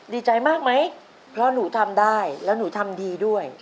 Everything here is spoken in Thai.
ดีใจมากไหมพระหนูทำได้เราถามดีด้วย